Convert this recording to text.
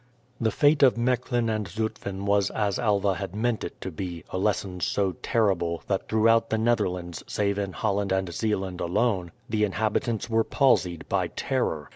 The fate of Mechlin and Zutphen was as Alva had meant it to be, a lesson so terrible, that throughout the Netherlands, save in Holland and Zeeland alone, the inhabitants were palsied by terror.